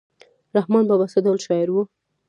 رحمان بابا څه ډول شاعر و؟